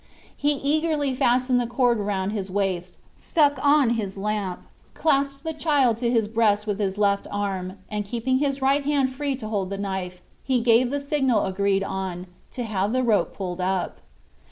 He eagerly fastened the cord round his waist, stuck on his lamp, clasped the child to his breast with his left arm, and, keeping his right hand free to hold the knife, he gave the signal agreed on, to have the rope pulled up.